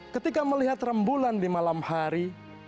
ketika melihat rembulan di malam hari